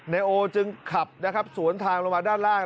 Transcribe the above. นายโอจึงขับสวนทางลงมาด้านล่าง